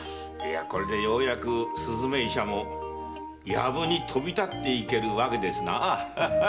これでようやく雀医者も薮に飛び立っていけるわけですなあ。